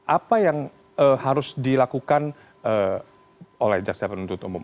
apa yang harus dilakukan oleh jaksa penuntut umum